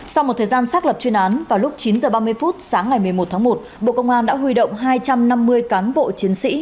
sau một thời gian xác lập chuyên án vào lúc chín h ba mươi phút sáng ngày một mươi một tháng một bộ công an đã huy động hai trăm năm mươi cán bộ chiến sĩ